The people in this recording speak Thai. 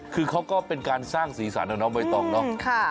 คือเขาก็เป็นการสร้างสีสันเนอะเนอะบ๊วยต้องเนอะ